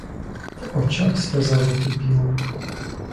В очах сльоза закипіла.